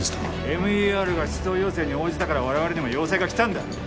ＭＥＲが出動要請に応じたから我々にも要請が来たんだよ